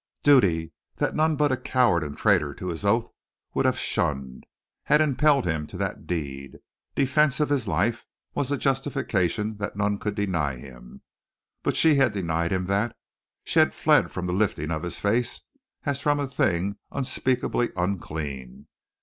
Duty that none but a coward and traitor to his oath would have shunned, had impelled him to that deed. Defense of his life was a justification that none could deny him. But she had denied him that. She had fled from the lifting of his face as from a thing unspeakably unclean.